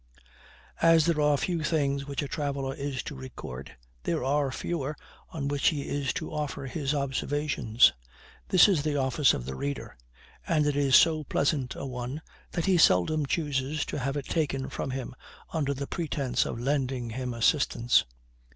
As there are few things which a traveler is to record, there are fewer on which he is to offer his observations: this is the office of the reader; and it is so pleasant a one, that he seldom chooses to have it taken from him, under the pretense of lending him assistance.